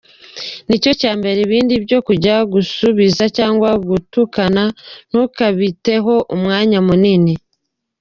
Ni cyo cya mbere, ibindi byo kujya gusubiza cyangwa gutukana ntukabiteho umwanya munini.